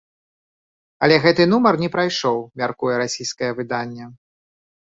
Але гэты нумар не прайшоў, мяркуе расійскае выданне.